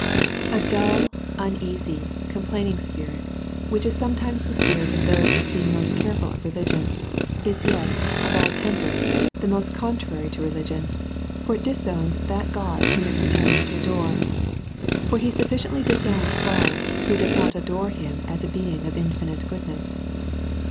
A dull, uneasy, complaining spirit, vvhich is some times the spirit of those that seenj careful of religion, is yet of all tempers the most contrary to religion, for it disowns that God which it pretends to adore. For he sufficiently disowns God, who does not adore him as a Being* of infinite goodness.